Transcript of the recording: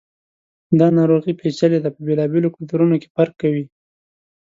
دا ناروغي پیچلي ده، په بېلابېلو کلتورونو کې فرق کوي.